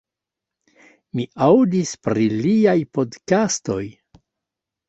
Mi aŭdis pri liaj podkastoj